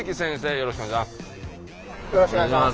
よろしくお願いします。